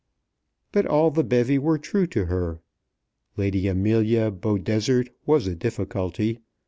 But all the bevy were true to her. Lady Amelia Beaudesert was a difficulty.